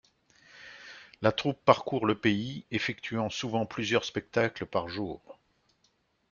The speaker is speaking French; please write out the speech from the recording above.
La troupe parcourt le pays, effectuant souvent plusieurs spectacles par jour.